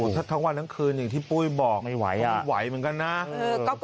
ถ้าทั้งวันทั้งคืนอย่างที่ปุ้ยบอก